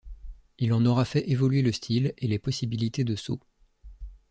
Il en aura fait évoluer le style et les possibilités de sauts.